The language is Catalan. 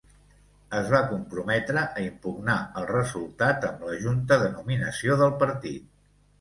Es va comprometre a impugnar el resultat amb la junta de nominació del partit.